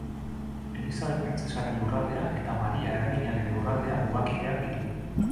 Elisabet Printzesaren Lurraldea eta Maria Erreginaren Lurraldea mugakideak ditu.